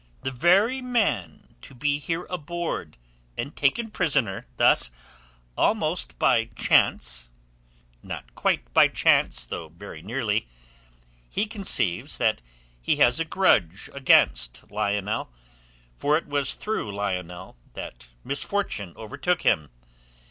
"The very man to be here aboard, and taken prisoner thus, almost by chance...." "Not quite by chance, though very nearly. He conceives that he has a grudge against Lionel, for it was through Lionel that misfortune overtook him.